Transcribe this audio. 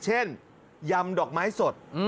เช่นยำดอกไม้สด